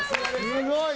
すごい